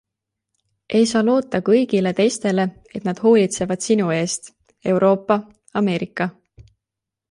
Ei saa loota kõigile teistele, et nad hoolitsevad sinu eest - Euroopa, Ameerika.